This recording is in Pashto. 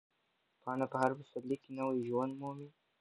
پاڼه په هر پسرلي کې نوی ژوند مومي.